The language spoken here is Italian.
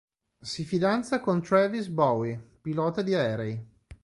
Si fidanza con Travis Bowie, pilota di aerei.